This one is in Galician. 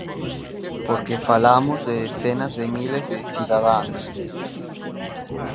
Porque falamos de decenas de miles de cidadáns.